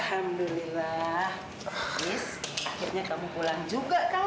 akhirnya kamu pulang juga kan